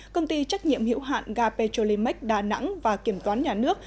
công ty trách nhiệm hiểu hạn gapetrolimex đà nẵng và kiểm toán nhà nước